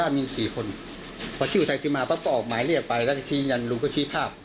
ค่ะคือนี้นี่คือสำนวนเดิมเขาจริงแล้วมี๔คนจริงไหมคะ